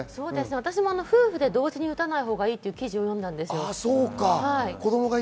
私も夫婦で同時に打たないほうがいいという記事を読みました。